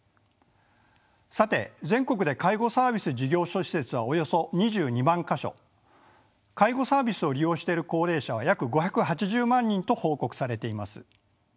さて全国で介護サービス事業所・施設はおよそ２２万か所介護サービスを利用している高齢者は約５８０万人と報告されています。